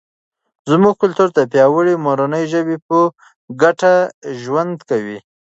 زموږ کلتور د پیاوړي مورنۍ ژبې په ګډه ژوند کوي.